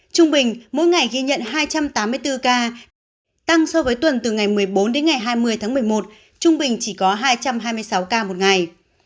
trung bình mỗi ngày ghi nhận hai trăm tám mươi bốn ca tăng so với tuần từ ngày một mươi bốn đến ngày hai mươi tháng một mươi một trung bình chỉ có hai trăm hai mươi sáu ca một ngày